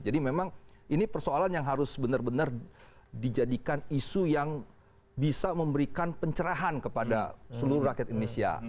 jadi memang ini persoalan yang harus benar benar dijadikan isu yang bisa memberikan pencerahan kepada seluruh rakyat indonesia